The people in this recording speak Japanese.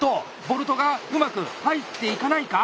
ボルトがうまく入っていかないか？